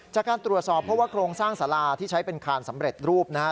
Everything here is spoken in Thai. จากการตรวจสอบเพราะว่าโครงสร้างสาราที่ใช้เป็นคานสำเร็จรูปนะฮะ